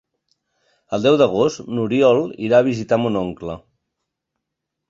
El deu d'agost n'Oriol irà a visitar mon oncle.